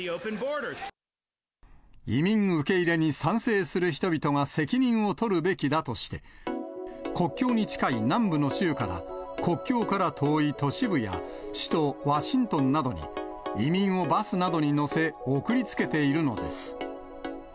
移民受け入れに賛成する人々が責任を取るべきだとして、国境に近い南部の州から、国境から遠い都市部や首都ワシントンなどに、移民をバスなどに乗せ、送りつけているのです。